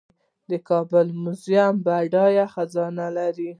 د کابل میوزیم بډایه خزانه لري